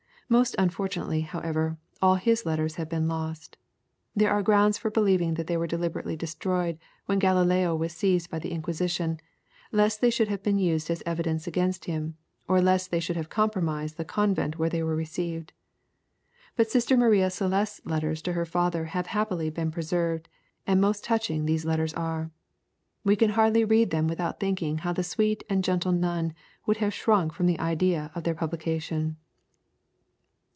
Most unfortunately, however, all his letters have been lost. There are grounds for believing that they were deliberately destroyed when Galileo was seized by the Inquisition, lest they should have been used as evidence against him, or lest they should have compromised the convent where they were received. But Sister Maria Celeste's letters to her father have happily been preserved, and most touching these letters are. We can hardly read them without thinking how the sweet and gentle nun would have shrunk from the idea of their publication.